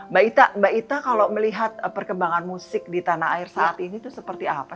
mbak ita mbak ita kalau melihat perkembangan musik di tanah air saat ini itu seperti apa